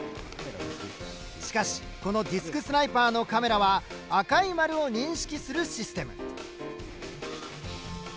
しかしこのディスクスナイパーのカメラは赤い丸を認識するシステム。